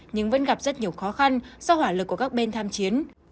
nhưng vẫn gặp rất nhiều khó khăn do hỏa lực của các bên tham chiến